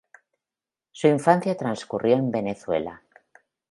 Su infancia transcurrió en Venezuela.